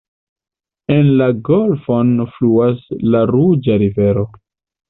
En la golfon fluas la ruĝa rivero.